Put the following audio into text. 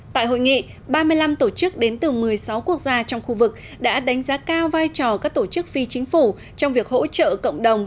tại hội nghị ba mươi năm tổ chức đến từ một mươi sáu quốc gia trong khu vực đã đánh giá cao vai trò các tổ chức phi chính phủ trong việc hỗ trợ cộng đồng